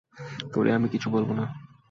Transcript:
তোরে আমি কিছু বলব না!